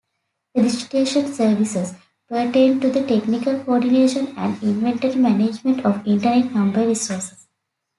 Registration services pertain to the technical coordination and inventory management of Internet number resources.